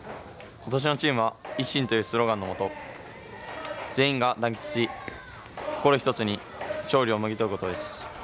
ことしのチームは「一心」というスローガンのもと全員が団結し、心を１つに勝利をもぎ取ることです。